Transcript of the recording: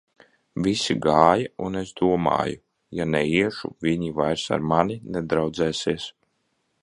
Visi gāja, un es domāju: ja neiešu, viņi vairs ar mani nedraudzēsies.